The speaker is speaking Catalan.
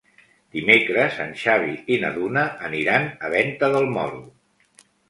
Dimecres en Xavi i na Duna aniran a Venta del Moro.